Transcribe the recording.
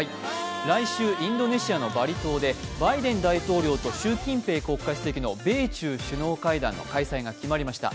来週、インドネシアのバリ島でバイデン大統領と習近平国家主席の米中首脳会談の開催が決まりました。